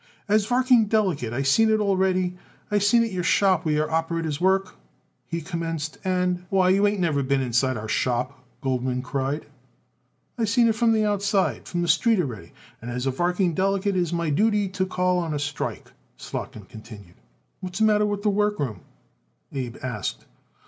"As varking delegate I seen it already. I seen it your shop where your operators work," he commenced, "and " "Why, you ain't never been inside our shop," Goldman cried. "I seen it from the outside from the street already and as varking delegate it is my duty to call on you a strike," Slotkin concluded. "What's the matter with the workroom?" Abe asked.